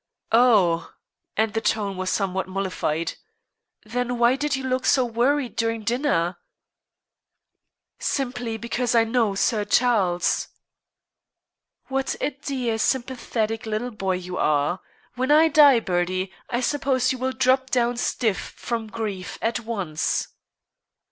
"Oh!" And the tone was somewhat mollified. "Then why did you look so worried during dinner?" "Simply because I know Sir Charles." "What a dear, sympathetic little boy you are! When I die, Bertie, I suppose you will drop down stiff from grief at once."